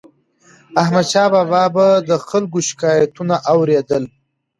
احمدشاه بابا به د خلکو شکایتونه اور يدل.